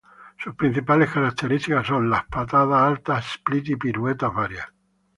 Sus principales características son las patadas altas, split y piruetas varias.